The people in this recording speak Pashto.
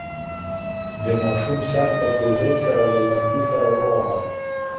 د ماشوم سر په تېزۍ سره له لرګي سره وواهه.